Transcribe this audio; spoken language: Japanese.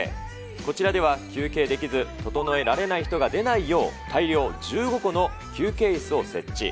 こちらでは休憩できず、ととのえられない人が出ないよう、大量１５個の休憩いすを設置。